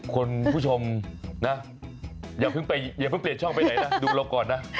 คุณผู้ชมนะอย่าเพิ่งเปลี่ยนช่องไปไหนนะดูเราก่อนนะ